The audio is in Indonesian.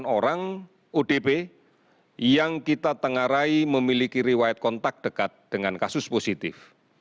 tiga puluh sembilan sembilan ratus dua puluh delapan orang odp yang kita tengarai memiliki riwayat kontak dekat dengan kasus positif